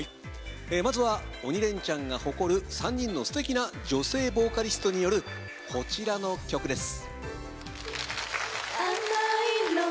まずは「鬼レンチャン」が誇る３人の素敵な女性ボーカリストによるこちらの曲です。